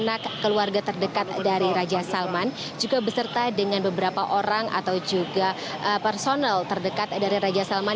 anak keluarga terdekat dari raja salman juga beserta dengan beberapa orang atau juga personal terdekat dari raja salman